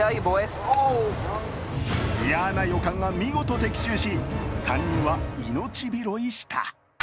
嫌な予感が見事的中し３人は命拾いした。